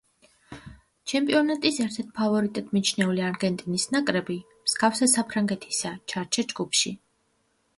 ჩემპიონატის ერთ-ერთ ფავორიტად მიჩნეული არგენტინის ნაკრები, მსგავსად საფრანგეთისა, ჩარჩა ჯგუფში.